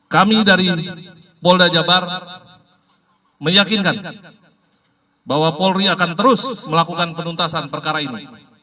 kami dari polda jabar meyakinkan bahwa polri akan terus melakukan penuntasan perkara ini